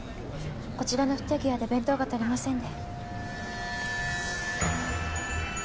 こちらの不手際で弁当が足りませんで。